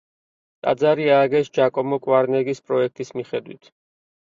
ტაძარი ააგეს ჯაკომო კვარნეგის პროექტის მიხედვით.